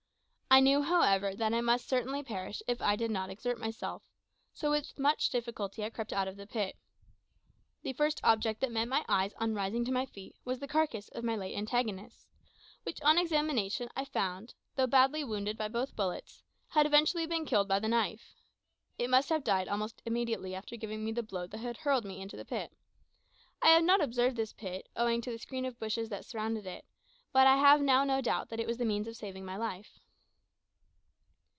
I knew, however, that I must certainly perish if I did not exert myself; so with much difficulty I crept out of the pit. The first object that met my eyes, on rising to my feet, was the carcass of my late antagonist; which, on examination, I found, though badly wounded by both bullets, had eventually been killed by the knife. It must have died almost immediately after giving me the blow that had hurled me into the pit. I had not observed this pit, owing to the screen of bushes that surrounded it, but I have now no doubt that it was the means of saving my life.